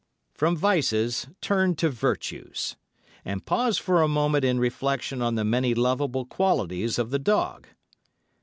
From vices turn to virtues, and pause for a moment in reflection on the many lovable qualities of the dog.